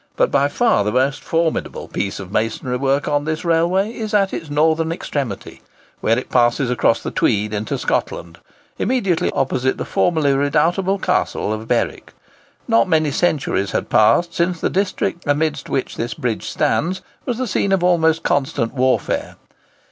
But by far the most formidable piece of masonry work on this railway is at its northern extremity, where it passes across the Tweed into Scotland, immediately opposite the formerly redoubtable castle of Berwick. Not many centuries had passed since the district amidst which this bridge stands was the scene of almost constant warfare.